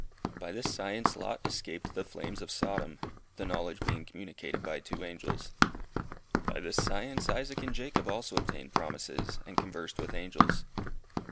By this science Lot escaped the flames of Sodom, the knowledge being communicated by two angels. By this science Isaac and Jacob also obtained promises, and conversed with angels.